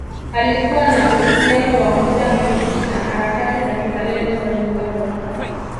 Alikuwa na uhusiano wa muda mrefu na harakati za kizalendo za Zimbabwe